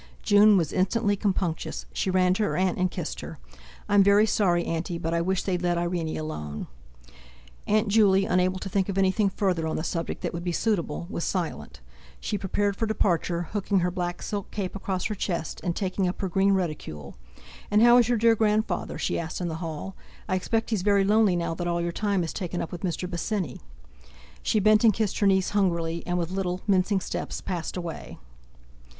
June was instantly compunctious; she ran to her aunt and kissed her. "I'm very sorry, auntie; but I wish they'd let Irene alone." Aunt Juley, unable to think of anything further on the subject that would be suitable, was silent; she prepared for departure, hooking her black silk cape across her chest, and, taking up her green reticule: "And how is your dear grandfather?" she asked in the hall, "I expect he's very lonely now that all your time is taken up with Mr. Bosinney." She bent and kissed her niece hungrily, and with little, mincing steps passed away.